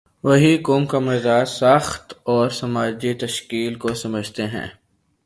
وہی قوم کے مزاج، ساخت اور سماجی تشکیل کو سمجھتے ہیں۔